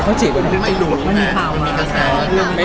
เขาจีบมั้ย